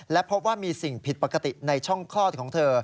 และพบว่ามีสิ่งผิดปกติในช่องคลอดของเธอ